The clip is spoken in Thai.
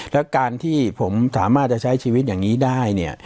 แล้วการที่ผมสามารถจะใช้ชีวิตอย่างนี้ได้เนี่ย